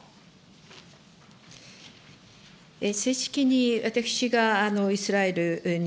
正式に私がイスラエルに、